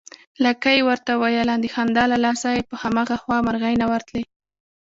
لکۍ يې ورته ويله، د خندا له لاسه په هماغه خوا مرغۍ نه ورتلې